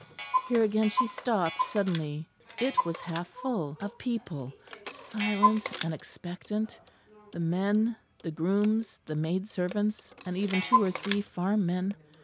Here again she stopped suddenly: it was half full of people, silent and expectant the men, the grooms, the maid servants, and even two or three farm men.